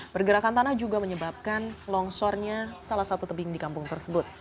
pergerakan tanah juga menyebabkan longsornya salah satu tebing di kampung tersebut